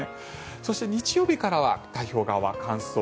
そして、日曜日からは太平洋側は乾燥。